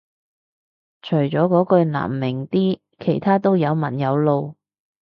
除咗嗰句難明啲其他都有文有路